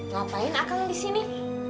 ngapain akal di sini